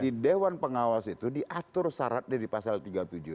di dewan pengawas itu diatur syaratnya di pasal tiga puluh tujuh